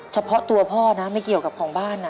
เฉพาะตัวพ่อนะไม่เกี่ยวกับของบ้าน